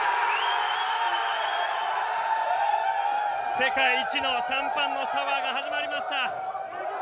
世界一のシャンパンのシャワーが始まりました。